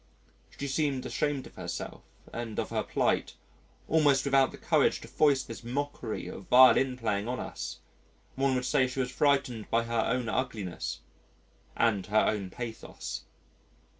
She seemed ashamed of herself and of her plight, almost without the courage to foist this mockery of violin playing on us one would say she was frightened by her own ugliness and her own pathos.